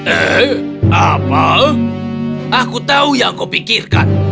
eh apel aku tahu yang kau pikirkan